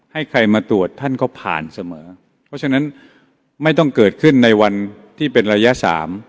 ให้ใครมาตรวจท่านก็ผ่านเสมอเพราะฉะนั้นไม่ต้องเกิดขึ้นในวันที่เป็นระยะสาม